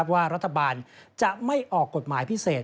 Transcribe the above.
ว่ารัฐบาลจะไม่ออกกฎหมายพิเศษ